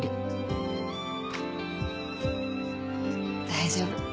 大丈夫。